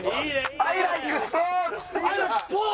アイライクスポーツ！